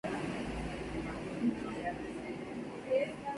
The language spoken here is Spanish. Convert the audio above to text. Rosenborg se coronó campeón con dos fechas de anticipación.